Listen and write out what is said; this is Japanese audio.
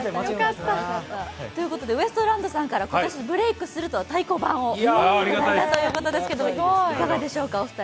ウエストランドさんから今年ブレークすると太鼓判をいただいたということですが、いかがでしょうか、お二人？